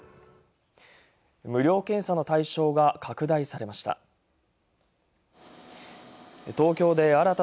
無料検査の対象が拡大されました。